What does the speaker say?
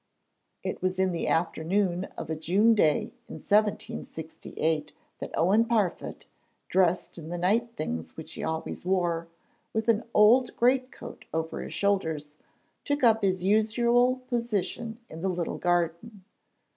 It was in the afternoon of a June day in 1768 that Owen Parfitt, dressed in the night things which he always wore, with an old greatcoat over his shoulders, took up his usual position in the little garden.